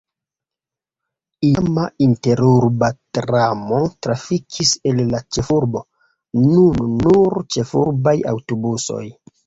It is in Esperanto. Iam interurba tramo trafikis el la ĉefurbo, nun nur ĉefurbaj aŭtobusoj.